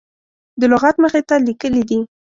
د لغت مخې ته لیکلي دي.